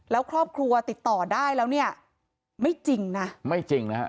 แล้วครอบครัวติดต่อได้แล้วเนี่ยไม่จริงนะ